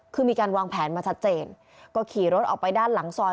คือมีการวางแผนมาชัดเจนก็ขี่รถออกไปด้านหลังซอย